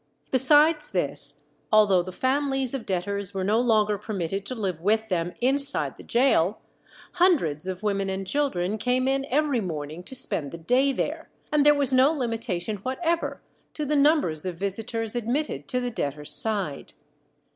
Besides this, although the families of debtors were no longer permitted to live with them inside the gaol, hundreds of women and children came in every morning to spend the day there, and there was no limitation whatever to the numbers of visitors admitted to the debtors' side.